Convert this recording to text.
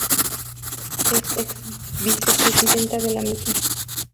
Es exvicepresidente de la misma.